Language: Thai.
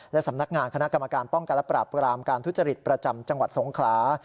และสำนักงานคณะกรรมการป้องกันและปราบกรามการทุจริตประจำจังหวัดสงขลา